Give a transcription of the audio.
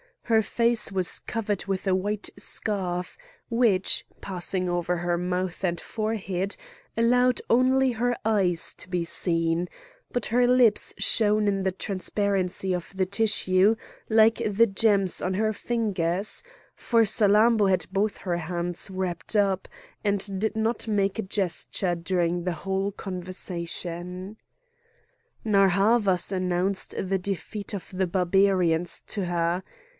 Her face was covered with a white scarf, which, passing over her mouth and forehead, allowed only her eyes to be seen; but her lips shone in the transparency of the tissue like the gems on her fingers, for Salammbô had both her hands wrapped up, and did not make a gesture during the whole conversation. Narr' Havas announced the defeat of the Barbarians to her.